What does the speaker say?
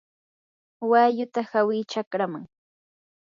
walluta hawi chakraman.